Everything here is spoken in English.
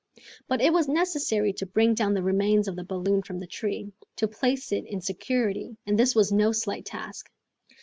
But it was necessary to bring down the remains of the balloon from the tree, to place it in security, and this was no slight task.